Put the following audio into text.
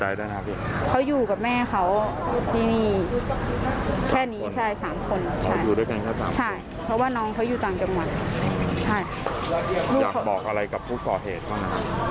อยากบอกอะไรกับพูดก่อเหตุบ้าง